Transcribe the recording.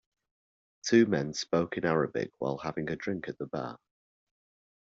Two men spoke in Arabic while having a drink at the bar.